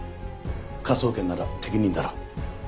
科捜研なら適任だろ。